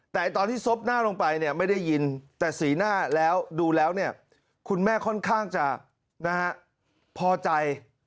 แต่ตอนที่ซบหน้าลงไปเนี่ยไม่ได้ยินแต่สีหน้าแล้วดูแล้วเนี่ยคุณแม่ค่อนข้างจะพอใจ